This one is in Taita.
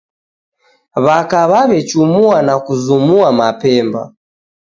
W'aka w'aw'echumua na kuzumua mapemba